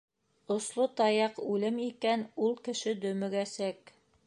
Осло таяҡ үлем икән — ул кеше дөмөгәсәк.